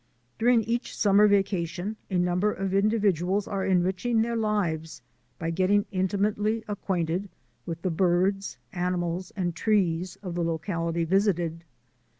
During each summer vacation a number of in dividuals are enriching their lives by getting in timately acquainted with the birds, animals, and trees of the locality visited.